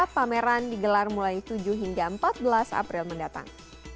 pameran digelar mulai tujuh hingga empat belas april mendatang